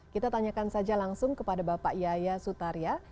kita tanyakan saja langsung kepada bapak yaya sutaria